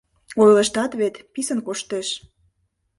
— Ойлыштат вет: писын коштеш!